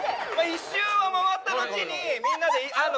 １周は回ったのちにみんなでああだ